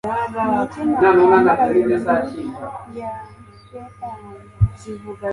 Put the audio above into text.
Niki nakwambara hejuru ya swater yanjye?